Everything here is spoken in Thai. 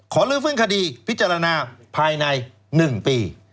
ลื้อฟื้นคดีพิจารณาภายใน๑ปี